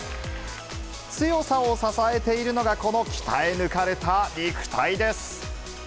強さを支えているのが、この鍛え抜かれた肉体です。